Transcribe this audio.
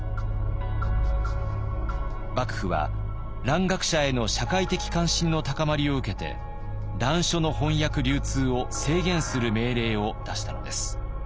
幕府は蘭学者への社会的関心の高まりを受けて蘭書の翻訳流通を制限する命令を出したのです。